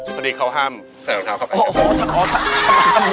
พอดีเขาห้ามใส่รองเท้าเข้าไป